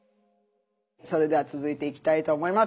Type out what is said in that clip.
それでは続いていきたいと思います。